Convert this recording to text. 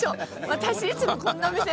私いつもこんな目線？